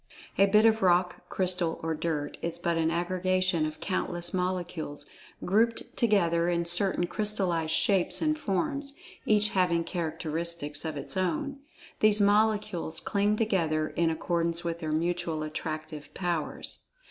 A bit of rock; crystal; or dirt; is but an aggregation of countless Molecules, grouped together in certain crystallized shapes and forms, each having characteristics of its[Pg 56] own. These Molecules cling together, in accordance with their mutual Attractive powers.